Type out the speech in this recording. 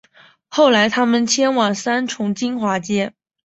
后来他们迁往三重金华街